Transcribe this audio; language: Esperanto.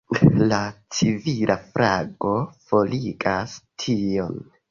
La civila flago forigas tion.